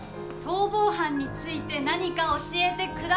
逃亡犯について何か教えて下さい。